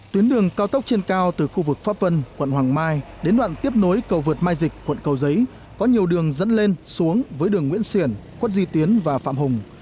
tuyến đường cao tốc trên cao từ khu vực pháp vân quận hoàng mai đến đoạn tiếp nối cầu vượt mai dịch quận cầu giấy có nhiều đường dẫn lên xuống với đường nguyễn xiển quất duy tiến và phạm hùng